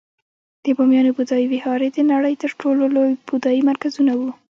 د بامیانو بودایي ویهارې د نړۍ تر ټولو لوی بودایي مرکزونه وو